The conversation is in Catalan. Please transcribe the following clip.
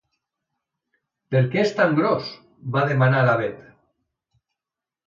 Per què és tan gros? —va demanar la Bet.